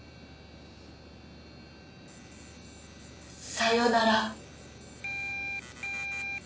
さよなら。